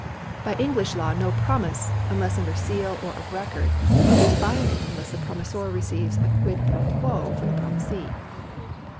By English law no promise (unless under seal or of record) is binding unless the promisor receives a quid pro quo from the promisee.